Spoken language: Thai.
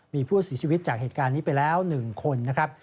มีผู้เสียชีวิตจากเหตุการณ์นี้ไปแล้ว๑คนนะครับ